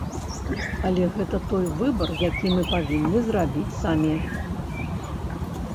Але гэта той выбар, які мы павінны зрабіць самі.